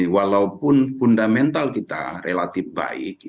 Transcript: walaupun fundamental kita relatif baik